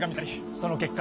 その結果。